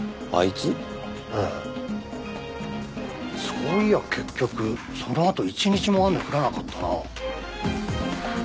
そういや結局そのあと一日も雨降らなかったな。